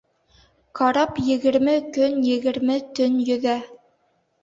Карап егерме көн, егерме төн йөҙә.